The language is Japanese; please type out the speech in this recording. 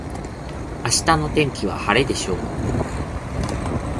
明日の天気は晴れでしょう。